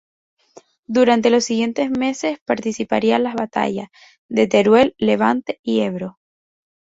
Durante los siguientes meses participaría en las batallas de Teruel, Levante y Ebro.